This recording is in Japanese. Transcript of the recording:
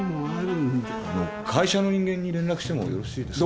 あの会社の人間に連絡してもよろしいですか？